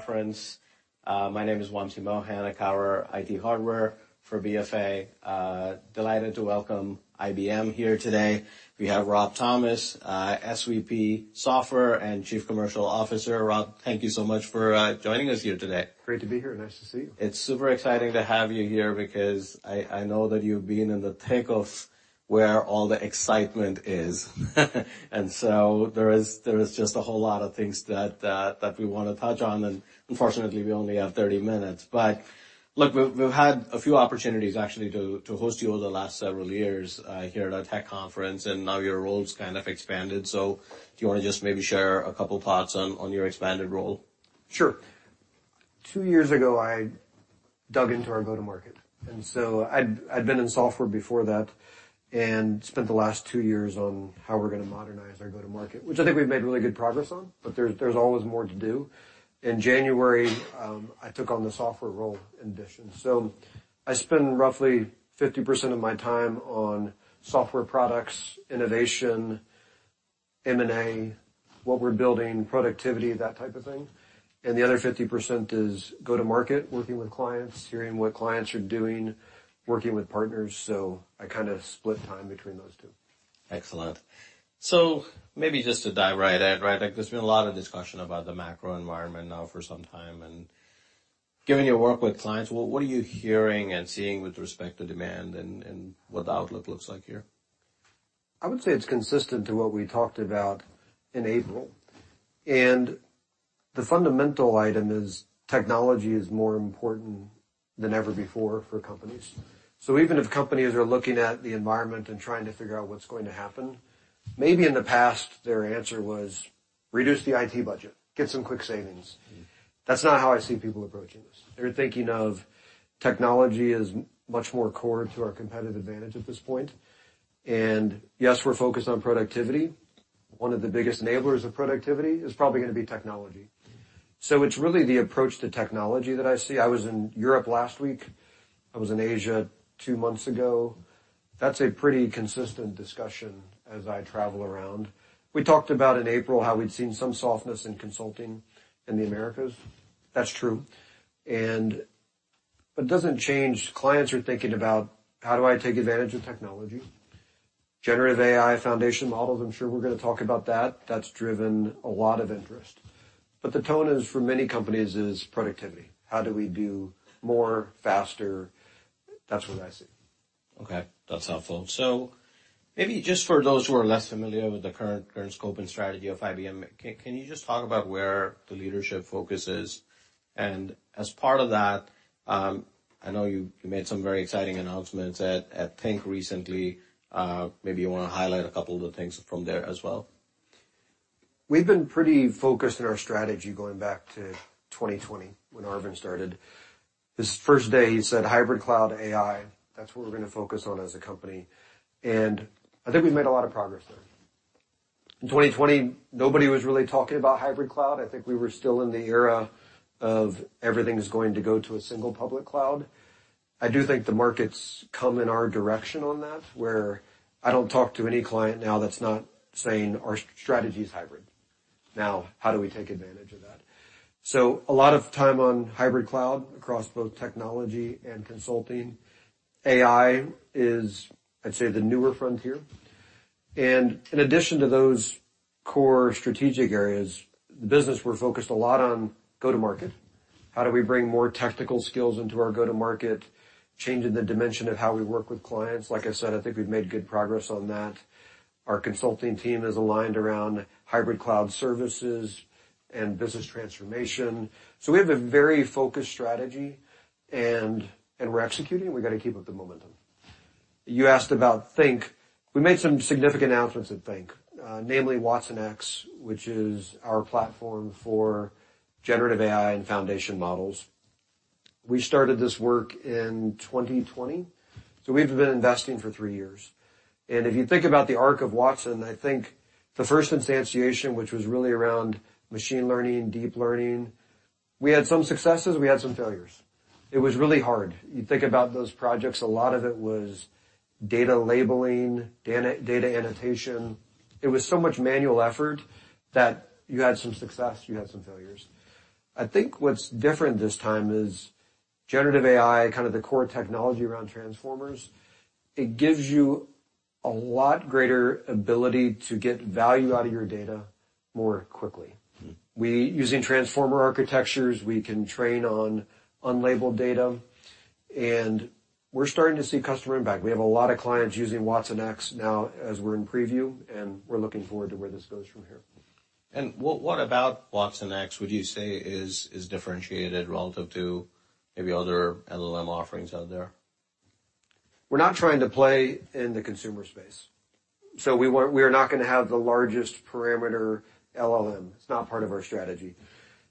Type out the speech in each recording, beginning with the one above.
conference. My name is Wamsi Mohan. I cover IT hardware for BofA. Delighted to welcome IBM here today. We have Rob Thomas, SVP Software and Chief Commercial Officer. Rob, thank you so much for joining us here today. Great to be here. Nice to see you. It's super exciting to have you here because I know that you've been in the thick of where all the excitement is. There is just a whole lot of things that we want to touch on, and unfortunately, we only have 30 minutes. Look, we've had a few opportunities actually, to host you over the last several years, here at our tech conference, and now your role's kind of expanded. Do you want to just maybe share a couple thoughts on your expanded role? Sure. Two years ago, I dug into our go-to-market, I'd been in software before that and spent the last two years on how we're going to modernize our go-to-market, which I think we've made really good progress on, but there's always more to do. In January, I took on the software role in addition. I spend roughly 50% of my time on software products, innovation, M&A, what we're building, productivity, that type of thing, and the other 50% is go-to-market, working with clients, hearing what clients are doing, working with partners. I kind of split time between those two. Excellent. Maybe just to dive right in, right? Like, there's been a lot of discussion about the macro environment now for some time, given your work with clients, what are you hearing and seeing with respect to demand and what the outlook looks like here? I would say it's consistent to what we talked about in April, and the fundamental item is technology is more important than ever before for companies. Even if companies are looking at the environment and trying to figure out what's going to happen, maybe in the past, their answer was: reduce the IT budget, get some quick savings. That's not how I see people approaching this. They're thinking of technology as much more core to our competitive advantage at this point. Yes, we're focused on productivity. One of the biggest enablers of productivity is probably going to be technology. It's really the approach to technology that I see. I was in Europe last week. I was in Asia two months ago. That's a pretty consistent discussion as I travel around. We talked about in April how we'd seen some softness in consulting in the Americas. That's true, and... It doesn't change. Clients are thinking about: how do I take advantage of technology? generative AI, foundation models, I'm sure we're going to talk about that. That's driven a lot of interest. The tone is, for many companies, is productivity. How do we do more, faster? That's what I see. That's helpful. Maybe just for those who are less familiar with the current scope and strategy of IBM, can you just talk about where the leadership focus is? As part of that, I know you made some very exciting announcements at Think recently. Maybe you want to highlight a couple of the things from there as well. We've been pretty focused in our strategy going back to 2020 when Arvind started. His first day, he said, "Hybrid cloud, AI, that's what we're going to focus on as a company." I think we've made a lot of progress there. In 2020, nobody was really talking about hybrid cloud. I think we were still in the era of everything is going to go to a single public cloud. I do think the market's come in our direction on that, where I don't talk to any client now that's not saying our strategy is hybrid. How do we take advantage of that? A lot of time on hybrid cloud across both technology and consulting. AI is, I'd say, the newer frontier, and in addition to those core strategic areas, the business, we're focused a lot on go-to-market. How do we bring more technical skills into our go-to-market, changing the dimension of how we work with clients? Like I said, I think we've made good progress on that. Our consulting team is aligned around hybrid cloud services and business transformation. We have a very focused strategy, and we're executing, and we've got to keep up the momentum. You asked about Think. We made some significant announcements at Think, namely watsonx, which is our platform for generative AI and foundation models. We started this work in 2020, so we've been investing for three years. If you think about the arc of Watson, I think the first instantiation, which was really around machine learning, deep learning, we had some successes, we had some failures. It was really hard. You think about those projects, a lot of it was data labeling, data annotation. It was so much manual effort that you had some success, you had some failures. I think what's different this time is generative AI, kind of the core technology around transformers, it gives you a lot greater ability to get value out of your data more quickly. Mm-hmm. Using transformer architectures, we can train on unlabeled data, and we're starting to see customer impact. We have a lot of clients using watsonx now as we're in preview, and we're looking forward to where this goes from here. What about watsonx would you say is differentiated relative to maybe other LLM offerings out there? We're not trying to play in the consumer space, so we are not going to have the largest parameter LLM. It's not part of our strategy.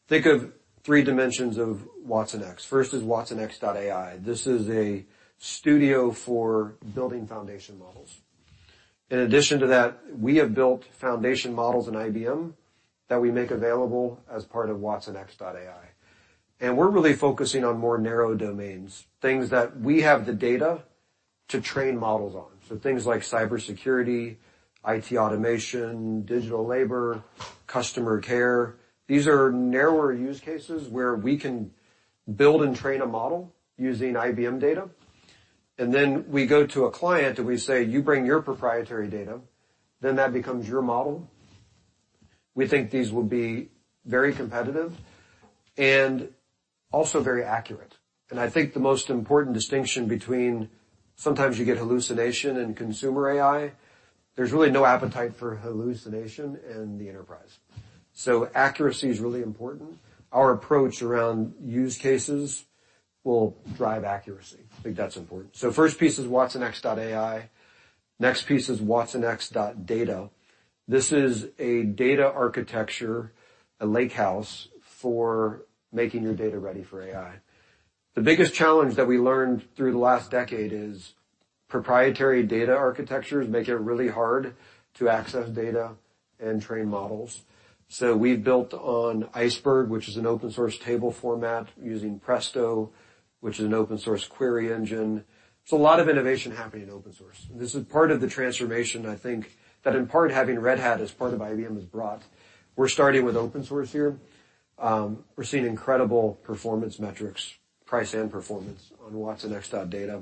Think of three dimensions of watsonx. First is watsonx.ai. This is a studio for building foundation models. In addition to that, we have built foundation models in IBM that we make available as part of watsonx.ai. We're really focusing on more narrow domains, things that we have the data to train models on. Things like cybersecurity, IT automation, digital labor, customer care. These are narrower use cases where we can build and train a model using IBM data, and then we go to a client, and we say, "You bring your proprietary data, then that becomes your model." We think these will be very competitive and also very accurate. I think the most important distinction between sometimes you get hallucination in consumer AI, there's really no appetite for hallucination in the enterprise. Accuracy is really important. Our approach around use cases will drive accuracy. I think that's important. First piece is watsonx.ai. Next piece is watsonx.data. This is a data architecture, a lakehouse, for making your data ready for AI. The biggest challenge that we learned through the last decade is proprietary data architectures make it really hard to access data and train models. We've built on Iceberg, which is an open source table format, using Presto, which is an open source query engine. A lot of innovation happening in open source, and this is part of the transformation, I think, that in part, having Red Hat as part of IBM has brought. We're starting with open source here. We're seeing incredible performance metrics, price, and performance on watsonx.data.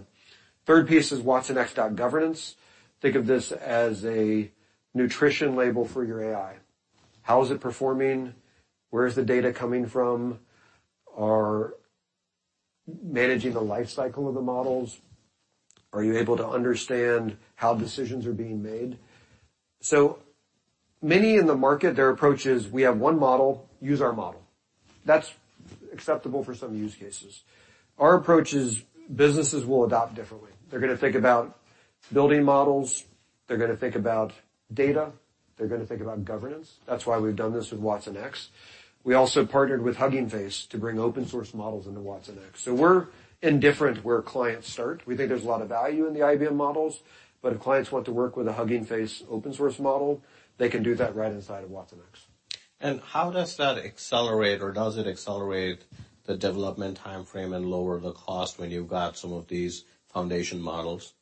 Third piece is watsonx.governance. Think of this as a nutrition label for your AI. How is it performing? Where is the data coming from? Are managing the life cycle of the models, are you able to understand how decisions are being made? Many in the market, their approach is: we have one model, use our model. That's acceptable for some use cases. Our approach is, businesses will adopt differently. They're gonna think about building models, they're gonna think about data, they're gonna think about governance. That's why we've done this with watsonx. We also partnered with Hugging Face to bring open source models into watsonx. We're indifferent where clients start. We think there's a lot of value in the IBM models, but if clients want to work with a Hugging Face open source model, they can do that right inside of watsonx. How does that accelerate, or does it accelerate the development time frame and lower the cost when you've got some of these foundation models?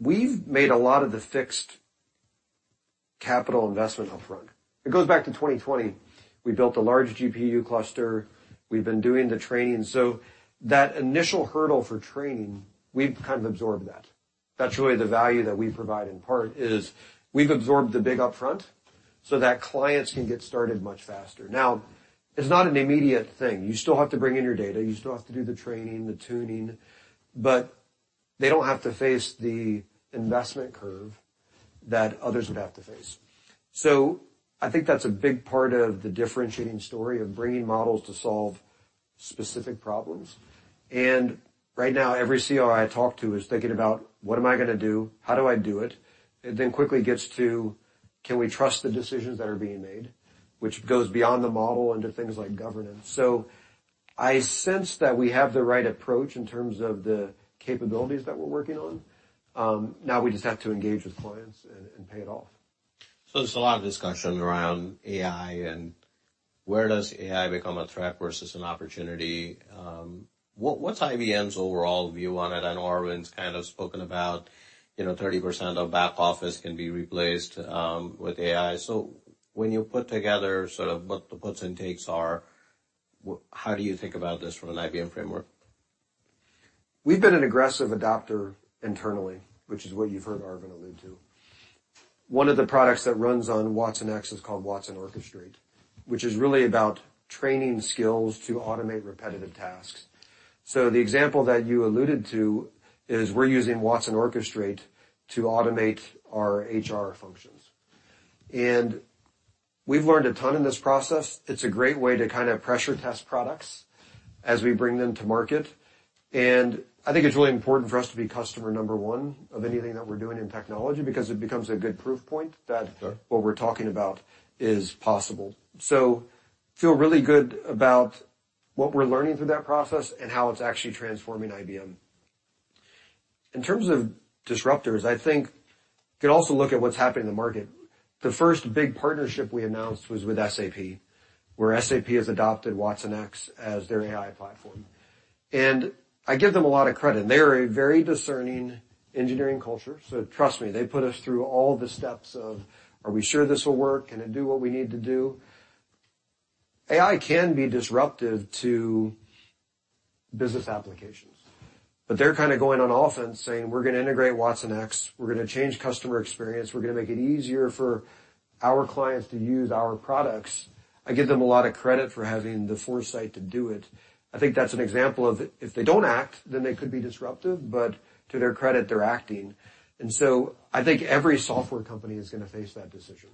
We've made a lot of the fixed capital investment upfront. It goes back to 2020. We built a large GPU cluster. We've been doing the training. That initial hurdle for training, we've kind of absorbed that. That's really the value that we provide, in part, is we've absorbed the big upfront so that clients can get started much faster. Now, it's not an immediate thing. You still have to bring in your data, you still have to do the training, the tuning, but they don't have to face the investment curve that others would have to face. I think that's a big part of the differentiating story of bringing models to solve specific problems. Right now, every CIO I talk to is thinking about: What am I gonna do? How do I do it? It quickly gets to. Can we trust the decisions that are being made? Goes beyond the model into things like governance. I sense that we have the right approach in terms of the capabilities that we're working on. Now we just have to engage with clients and pay it off. There's a lot of discussion around AI and where does AI become a threat versus an opportunity? What, what's IBM's overall view on it? I know Arvind's kind of spoken about, you know, 30% of back office can be replaced with AI. When you put together sort of what the puts and takes are, how do you think about this from an IBM framework? We've been an aggressive adopter internally, which is what you've heard Arvind allude to. One of the products that runs on watsonx is called watsonx Orchestrate, which is really about training skills to automate repetitive tasks. The example that you alluded to is we're using watsonx Orchestrate to automate our HR functions, and we've learned a ton in this process. It's a great way to kind of pressure test products as we bring them to market. I think it's really important for us to be customer number one of anything that we're doing in technology, because it becomes a good proof point that. Sure... what we're talking about is possible. Feel really good about what we're learning through that process and how it's actually transforming IBM. In terms of disruptors, I think you can also look at what's happening in the market. The first big partnership we announced was with SAP, where SAP has adopted watsonx as their AI platform. I give them a lot of credit, and they are a very discerning engineering culture, so trust me, they put us through all the steps of: Are we sure this will work? Can it do what we need to do? AI can be disruptive to business applications, but they're kind of going on offense, saying: We're gonna integrate watsonx, we're gonna change customer experience, we're gonna make it easier for our clients to use our products. I give them a lot of credit for having the foresight to do it. I think that's an example of if they don't act, then they could be disruptive, but to their credit, they're acting. I think every software company is gonna face that decision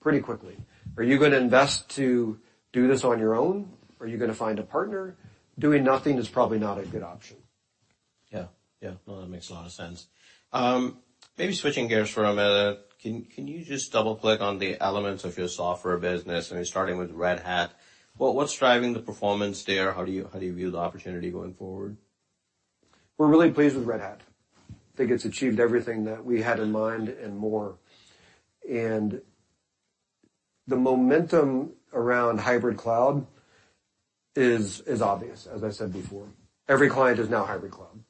pretty quickly. Are you gonna invest to do this on your own, or are you gonna find a partner? Doing nothing is probably not a good option. Yeah, yeah. No, that makes a lot of sense. Maybe switching gears for a minute. Can you just double-click on the elements of your software business, I mean, starting with Red Hat? What's driving the performance there? How do you view the opportunity going forward? We're really pleased with Red Hat. I think it's achieved everything that we had in mind and more. The momentum around hybrid cloud is obvious, as I said before. Every client is now hybrid cloud.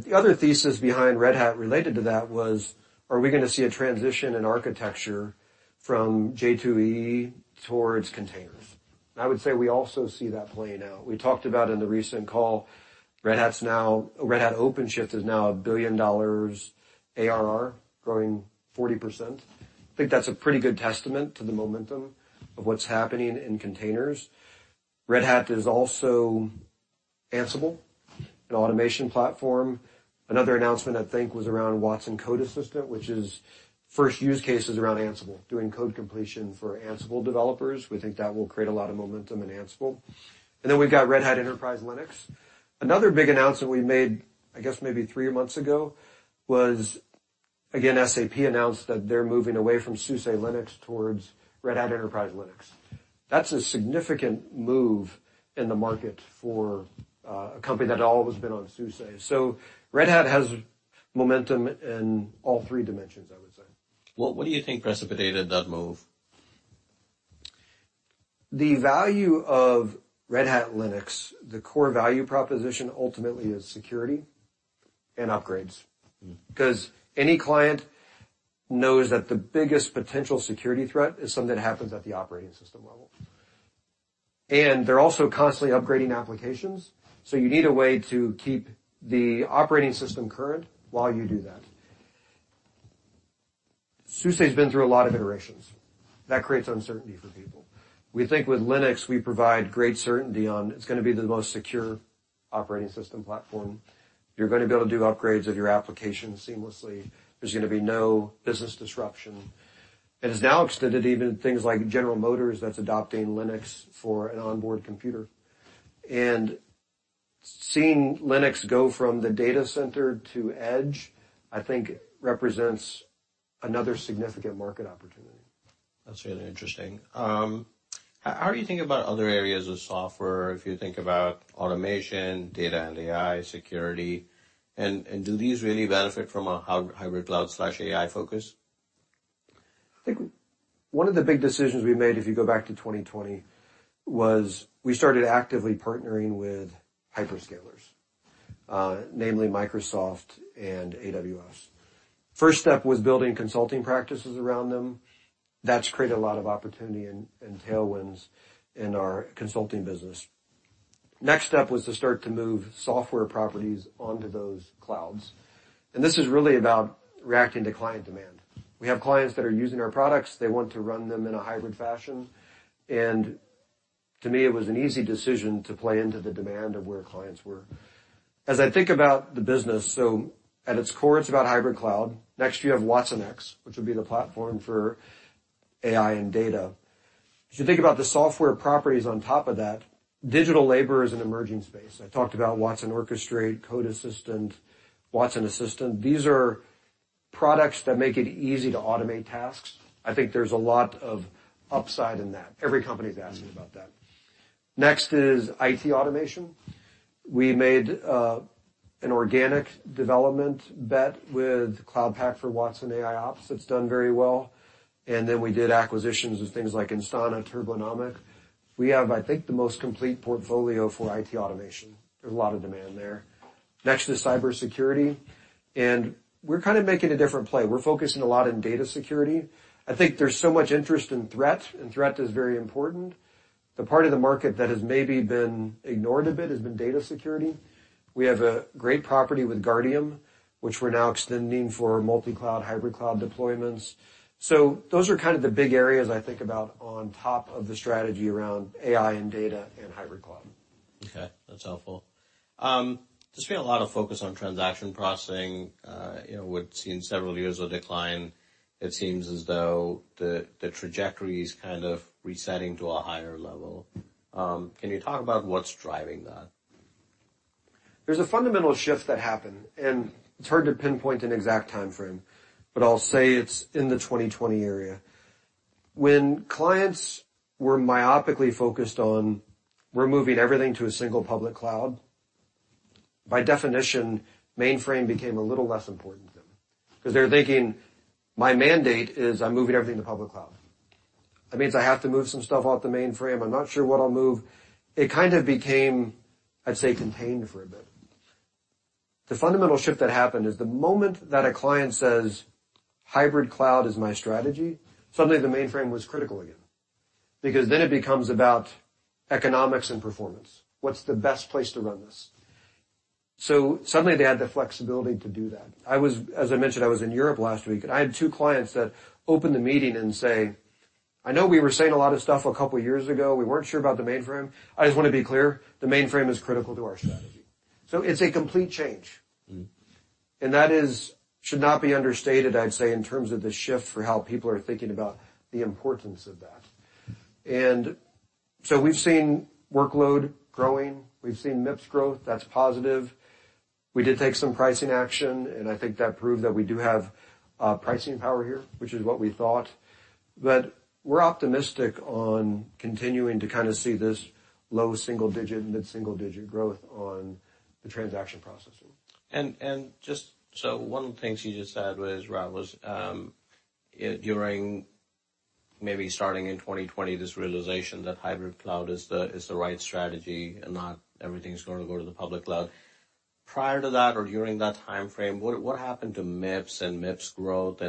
The other thesis behind Red Hat related to that was: Are we gonna see a transition in architecture from J2EE towards containers? I would say we also see that playing out. We talked about in the recent call, Red Hat OpenShift is now $1 billion ARR, growing 40%. I think that's a pretty good testament to the momentum of what's happening in containers. Red Hat is also Ansible, an automation platform. Another announcement, I think, was around watsonx Code Assistant, which is first use cases around Ansible, doing code completion for Ansible developers. We think that will create a lot of momentum in Ansible. We've got Red Hat Enterprise Linux. Another big announcement we made, I guess maybe three months ago, was, again, SAP announced that they're moving away from SUSE Linux towards Red Hat Enterprise Linux. That's a significant move in the market for a company that had always been on SUSE. Red Hat has momentum in all three dimensions, I would say. Well, what do you think precipitated that move? The value of Red Hat Linux, the core value proposition ultimately is security and upgrades. Mm. Any client knows that the biggest potential security threat is something that happens at the operating system level. They're also constantly upgrading applications, so you need a way to keep the operating system current while you do that. SUSE's been through a lot of iterations. That creates uncertainty for people. We think with Linux, we provide great certainty on, it's gonna be the most secure operating system platform. You're gonna be able to do upgrades of your application seamlessly. There's gonna be no business disruption. It has now extended even to things like General Motors, that's adopting Linux for an onboard computer. Seeing Linux go from the data center to edge, I think represents another significant market opportunity. That's really interesting. How are you thinking about other areas of software, if you think about automation, data and AI, security? Do these really benefit from a hybrid cloud/AI focus? I think one of the big decisions we made, if you go back to 2020, was we started actively partnering with hyperscalers, namely Microsoft and AWS. First step was building consulting practices around them. That's created a lot of opportunity and tailwinds in our consulting business. Next step was to start to move software properties onto those clouds. This is really about reacting to client demand. We have clients that are using our products. They want to run them in a hybrid fashion. To me, it was an easy decision to play into the demand of where clients were. As I think about the business, at its core, it's about hybrid cloud. Next, you have watsonx, which would be the platform for AI and data. If you think about the software properties on top of that, digital labor is an emerging space. I talked about watsonx Orchestrate, watsonx Code Assistant, watsonx Assistant. These are products that make it easy to automate tasks. I think there's a lot of upside in that. Every company is asking about that. Next is IT automation. We made an organic development bet with Cloud Pak for Watson AIOps. It's done very well. Then we did acquisitions of things like Instana, Turbonomic. We have, I think, the most complete portfolio for IT automation. There's a lot of demand there. Next is cybersecurity, and we're kind of making a different play. We're focusing a lot on data security. I think there's so much interest in threat, and threat is very important. The part of the market that has maybe been ignored a bit has been data security. We have a great property with Guardium, which we're now extending for multi-cloud, hybrid cloud deployments. Those are kind of the big areas I think about on top of the strategy around AI and data and hybrid cloud. Okay, that's helpful. There's been a lot of focus on transaction processing. You know, we've seen several years of decline. It seems as though the trajectory is kind of resetting to a higher level. Can you talk about what's driving that? There's a fundamental shift that happened, and it's hard to pinpoint an exact timeframe, but I'll say it's in the 2020 area. When clients were myopically focused on removing everything to a single public cloud, by definition, mainframe became a little less important to them. 'Cause they're thinking, "My mandate is I'm moving everything to public cloud. That means I have to move some stuff off the mainframe. I'm not sure what I'll move." It kind of became, I'd say, contained for a bit. The fundamental shift that happened is the moment that a client says, "hybrid cloud is my strategy," suddenly the mainframe was critical again, because then it becomes about economics and performance. What's the best place to run this? Suddenly, they had the flexibility to do that. As I mentioned, I was in Europe last week. I had two clients that opened the meeting and say, "I know we were saying a lot of stuff a couple years ago. We weren't sure about the mainframe. I just want to be clear, the mainframe is critical to our strategy." It's a complete change. Mm-hmm. That is, should not be understated, I'd say, in terms of the shift for how people are thinking about the importance of that. We've seen workload growing, we've seen MIPS growth. That's positive. We did take some pricing action, and I think that proved that we do have pricing power here, which is what we thought. We're optimistic on continuing to kind of see this low single digit, mid-single digit growth on the transaction processing. Just so one of the things you just said was, Rob, was during maybe starting in 2020, this realization that hybrid cloud is the, is the right strategy, and not everything's going to go to the public cloud. Prior to that or during that time frame, what happened to MIPS and MIPS growth?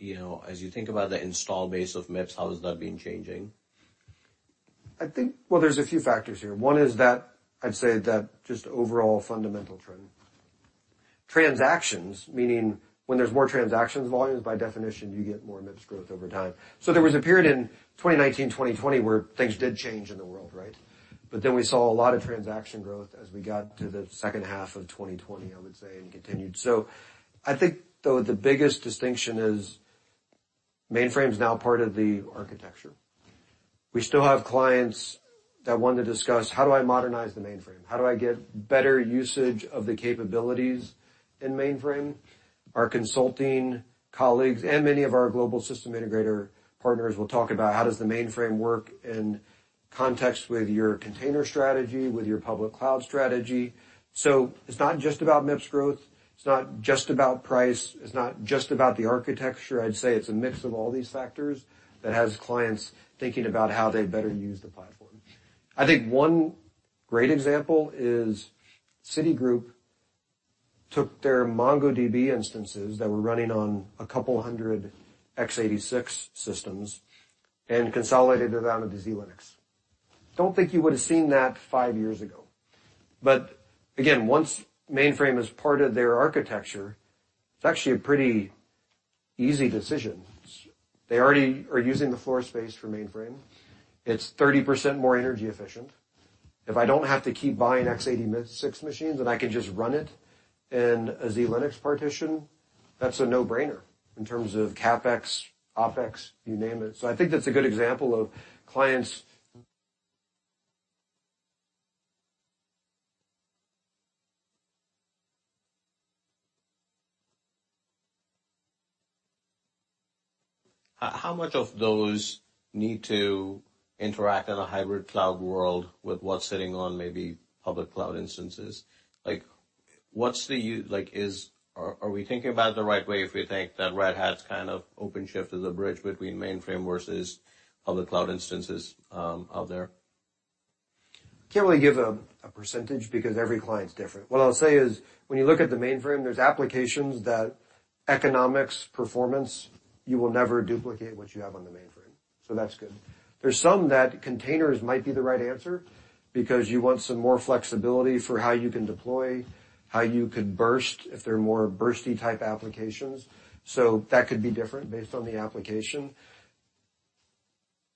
You know, as you think about the install base of MIPS, how has that been changing? Well, there's a few factors here. One is I'd say just overall fundamental trend. Transactions, meaning when there's more transactions, volumes, by definition, you get more MIPS growth over time. There was a period in 2019, 2020 where things did change in the world, right? We saw a lot of transaction growth as we got to the second half of 2020, I would say, and continued. I think, though, the biggest distinction is mainframe is now part of the architecture. We still have clients that want to discuss: How do I modernize the mainframe? How do I get better usage of the capabilities in mainframe? Our consulting colleagues and many of our global system integrator partners will talk about how does the mainframe work in context with your container strategy, with your public cloud strategy. It's not just about MIPS growth, it's not just about price, it's not just about the architecture. I'd say it's a mix of all these factors that has clients thinking about how they better use the platform. I think one great example is Citigroup took their MongoDB instances that were running on a couple hundred x86 systems and consolidated it out into z/Linux. Don't think you would have seen that five years ago, but again, once mainframe is part of their architecture, it's actually a pretty easy decision. They already are using the floor space for mainframe. It's 30% more energy efficient. If I don't have to keep buying x86 machines, and I can just run it in a z/Linux partition, that's a no-brainer in terms of CapEx, OpEx, you name it. I think that's a good example of clients. How much of those need to interact in a hybrid cloud world with what's sitting on maybe public cloud instances? Like, are we thinking about it the right way if we think that Red Hat's kind of OpenShift is a bridge between mainframe versus public cloud instances out there? Can't really give a percentage because every client's different. What I'll say is, when you look at the mainframe, there's applications that economics, performance, you will never duplicate what you have on the mainframe, so that's good. There's some that containers might be the right answer because you want some more flexibility for how you can deploy, how you could burst if they're more bursty type applications. That could be different based on the application.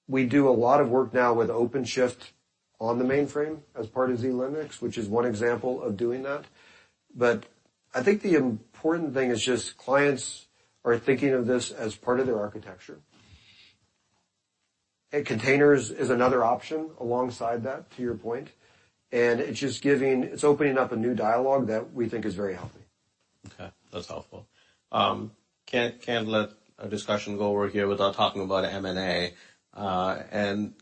We do a lot of work now with OpenShift on the mainframe as part of z/Linux, which is one example of doing that. I think the important thing is just clients are thinking of this as part of their architecture. Containers is another option alongside that, to your point, and it's just opening up a new dialogue that we think is very healthy. Okay, that's helpful. Can't let a discussion go over here without talking about M&A.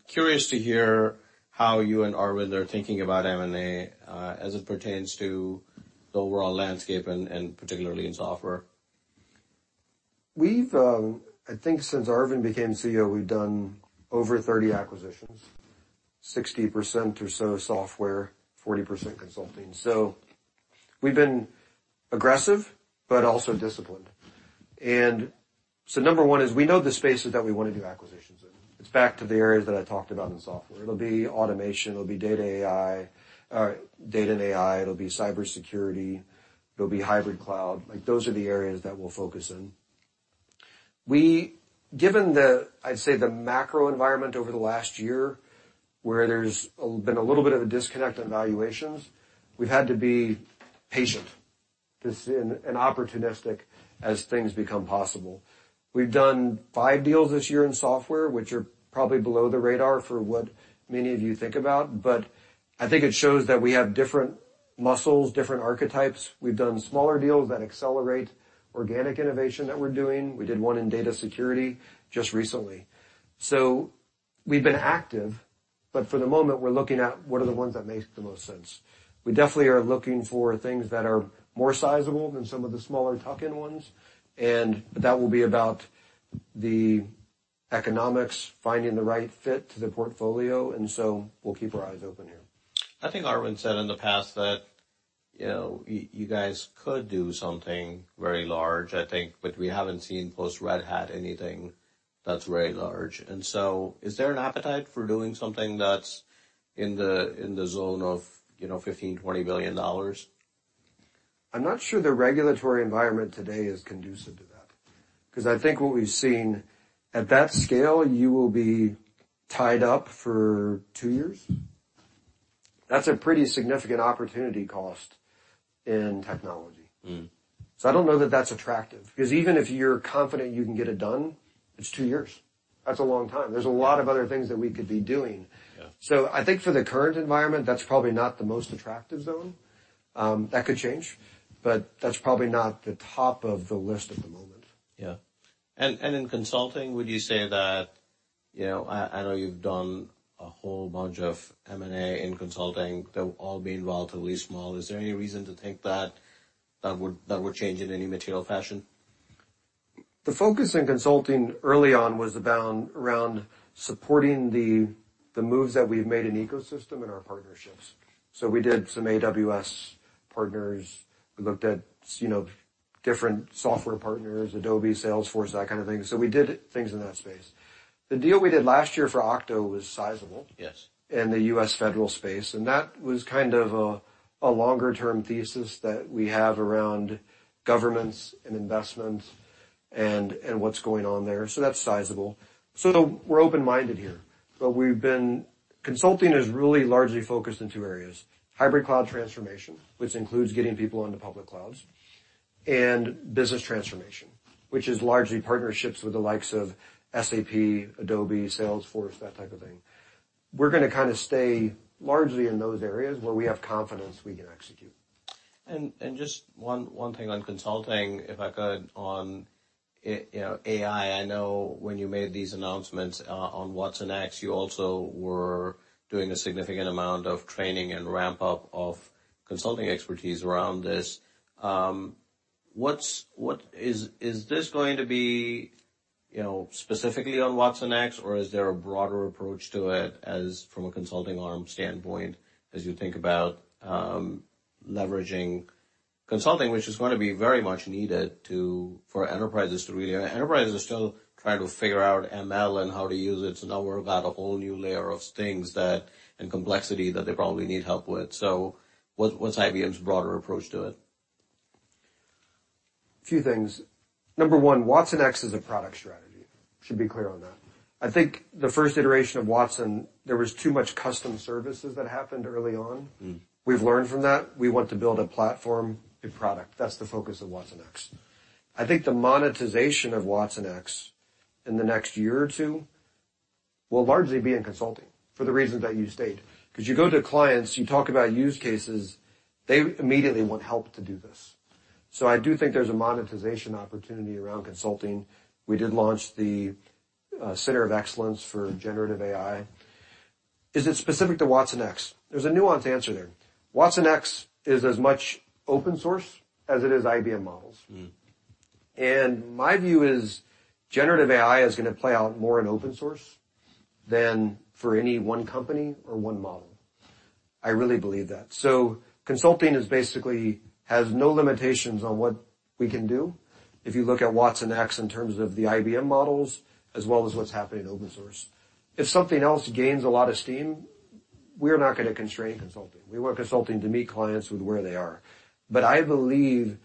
Curious to hear how you and Arvind are thinking about M&A, as it pertains to the overall landscape and particularly in software. We've I think since Arvind became CEO, we've done over 30 acquisitions, 60% or so software, 40% consulting. We've been aggressive, but also disciplined. Number one is we know the spaces that we want to do acquisitions in. It's back to the areas that I talked about in software. It'll be automation, it'll be data AI, or data and AI, it'll be cybersecurity, it'll be hybrid cloud. Like, those are the areas that we'll focus in. Given the, I'd say, the macro environment over the last year, where there's been a little bit of a disconnect on valuations, we've had to be patient and opportunistic as things become possible. We've done five deals this year in software, which are probably below the radar for what many of you think about, but I think it shows that we have different muscles, different archetypes. We've done smaller deals that accelerate organic innovation that we're doing. We did one in data security just recently. We've been active, but for the moment, we're looking at what are the ones that make the most sense. We definitely are looking for things that are more sizable than some of the smaller tuck-in ones, and that will be about the economics, finding the right fit to the portfolio, and so we'll keep our eyes open here. I think Arvind said in the past that, you know, you guys could do something very large, I think, but we haven't seen post-Red Hat anything that's very large. Is there an appetite for doing something that's in the zone of, you know, $15 billion-$20 billion? I'm not sure the regulatory environment today is conducive to that, 'cause I think what we've seen at that scale, you will be tied up for two years. That's a pretty significant opportunity cost in technology. Mm-hmm. I don't know that that's attractive, because even if you're confident you can get it done, it's two years. That's a long time. There's a lot of other things that we could be doing. Yeah. I think for the current environment, that's probably not the most attractive zone. That could change, but that's probably not the top of the list at the moment. Yeah. In consulting, would you say, you know, I know you've done a whole bunch of M&A in consulting. They'll all be relatively small. Is there any reason to think that would change in any material fashion? The focus in consulting early on was around supporting the moves that we've made in ecosystem and our partnerships. We did some AWS partners. We looked at, you know, different software partners, Adobe, Salesforce, that kind of thing. We did things in that space. The deal we did last year for Octo was sizable- Yes. In the U.S. federal space, that was kind of a longer-term thesis that we have around governments and investments and what's going on there. That's sizable. We're open-minded here. Consulting is really largely focused in two areas: hybrid cloud transformation, which includes getting people into public clouds, and business transformation, which is largely partnerships with the likes of SAP, Adobe, Salesforce, that type of thing. We're gonna kind of stay largely in those areas where we have confidence we can execute. Just one thing on consulting, if I could, you know, AI. I know when you made these announcements on watsonx, you also were doing a significant amount of training and ramp-up of consulting expertise around this. What's this going to be, you know, specifically on watsonx, or is there a broader approach to it as from a consulting arm standpoint, as you think about leveraging consulting? Which is going to be very much needed for enterprises to really. Enterprises are still trying to figure out ML and how to use it. Now we've got a whole new layer of things that, and complexity that they probably need help with. What's IBM's broader approach to it? A few things. Number one, watsonx is a product strategy. Should be clear on that. I think the first iteration of Watson, there was too much custom services that happened early on. Mm. We've learned from that. We want to build a platform, a product. That's the focus of watsonx. I think the monetization of watsonx in the next year or two will largely be in consulting for the reasons that you state. 'Cause you go to clients, you talk about use cases, they immediately want help to do this. I think there's a monetization opportunity around consulting. We did launch the Center of Excellence for generative AI. Is it specific to watsonx? There's a nuanced answer there. watsonx is as much open source as it is IBM models. Mm. My view is generative AI is gonna play out more in open source than for any one company or one model. I really believe that. Consulting is basically, has no limitations on what we can do. If you look at watsonx in terms of the IBM models, as well as what's happening in open source. If something else gains a lot of steam, we're not gonna constrain consulting. We want consulting to meet clients with where they are. I believe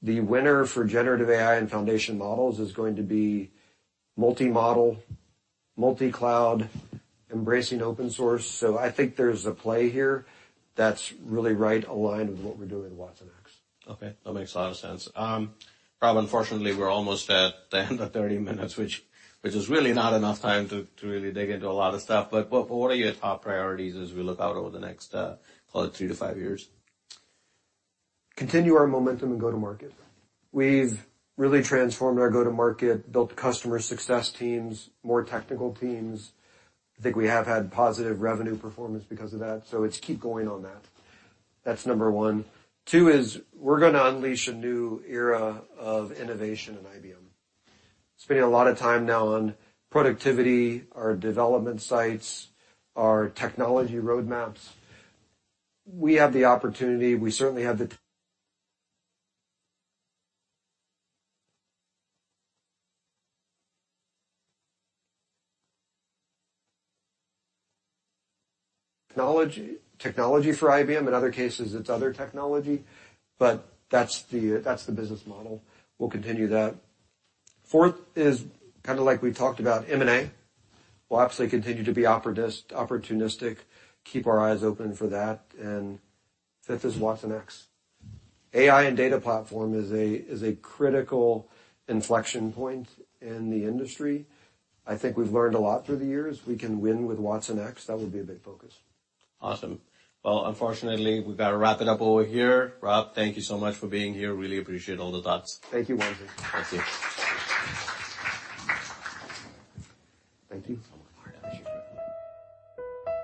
the winner for generative AI and foundation models is going to be multi-model, multi-cloud, embracing open source. I think there's a play here that's really right aligned with what we're doing with watsonx. Okay, that makes a lot of sense. Rob, unfortunately, we're almost at the end of 30 minutes, which is really not enough time to really dig into a lot of stuff. What are your top priorities as we look out over the next three to five years? Continue our momentum and go to market. We've really transformed our go-to-market, built customer success teams, more technical teams. I think we have had positive revenue performance because of that, so it's keep going on that. That's number one. Two is we're gonna unleash a new era of innovation in IBM. Spending a lot of time now on productivity, our development sites, our technology roadmaps. We have the opportunity, we certainly have the technology for IBM, in other cases, it's other technology, but that's the business model. We'll continue that. 4th is kind of like we talked about, M&A. We'll obviously continue to be opportunistic, keep our eyes open for that. 5th is watsonx. AI and data platform is a critical inflection point in the industry. I think we've learned a lot through the years. We can win with watsonx. That would be a big focus. Awesome. Well, unfortunately, we've got to wrap it up over here. Rob, thank you so much for being here. Really appreciate all the thoughts. Thank you, Wamsi. Thank you.